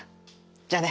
じゃあね。